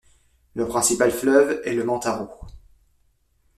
Le principal fleuve est le Mantaro.